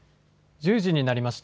１０時になりました。